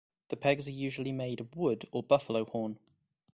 The pegs are usually made of wood or buffalo horn.